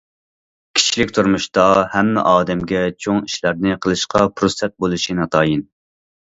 كىشىلىك تۇرمۇشتا ھەممە ئادەمگە چوڭ ئىشلارنى قىلىشقا پۇرسەت بولۇشى ناتايىن.